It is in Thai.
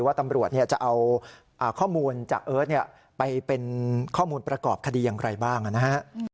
ว่าตำรวจจะเอาข้อมูลจากเอิร์ทไปเป็นข้อมูลประกอบคดีอย่างไรบ้างนะฮะ